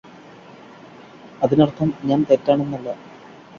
അതിനര്ത്ഥം ഞാന് തെറ്റാണെന്നല്ല